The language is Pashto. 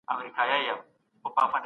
ریاضي علوم د طبیعي علومو مهمه برخه جوړوي.